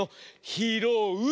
「ひろう」！